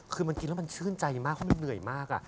คือมันกินแล้วมันชื่นใจมากเพราะมันเหนื่อยมาก